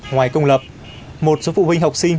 ngoài công lập một số phụ huynh học sinh